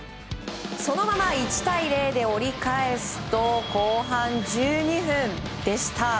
そのまま１対０で折り返すと後半１２分でした。